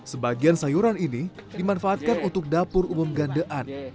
sebagian sayuran ini dimanfaatkan untuk dapur umum gandean